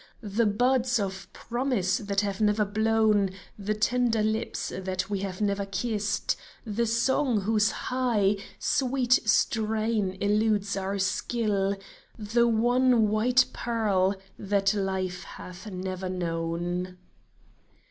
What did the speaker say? The buds of promise that have never blown — The tender lips that we have never kissed — The song whose high, sweet strain eludes our skill — The one white pearl that life hath never known